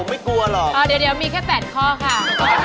๙ข้อผมไม่กลัวหรอกนะครับเดี๋ยวมีแค่๘ข้อค่ะ